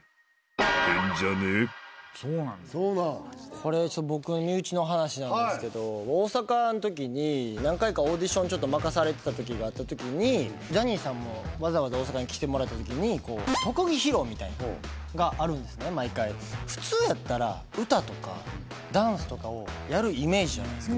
これ僕身内の話なんですけど大阪の時に何回かオーディションちょっと任されてた時があった時にジャニーさんもわざわざ大阪に来てもらった時に特技披露みたいなのがあるんですね毎回普通やったら歌とかダンスとかをやるイメージじゃないですか